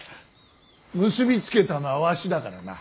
結び付けたのはわしだからな。